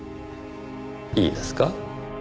いいですか？